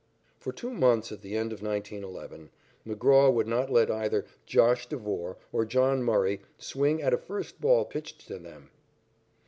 For two months at the end of 1911, McGraw would not let either "Josh" Devore or John Murray swing at a first ball pitched to them.